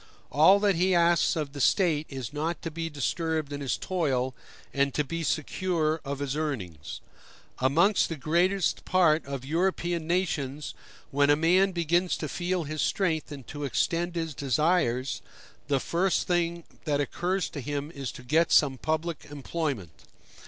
All that he asks of the State is not to be disturbed in his toil, and to be secure of his earnings. Amongst the greater part of European nations, when a man begins to feel his strength and to extend his desires, the first thing that occurs to him is to get some public employment.